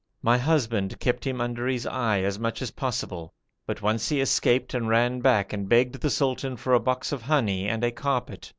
My husband kept him under his eye as much as possible, but once he escaped and ran back and begged the sultan for a box of honey and a carpet.